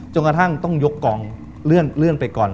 จนกระทั่งต้องยกกองเลื่อนไปก่อน